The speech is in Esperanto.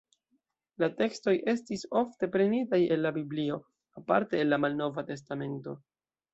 La tekstoj estis ofte prenitaj el la Biblio, aparte el la Malnova testamento.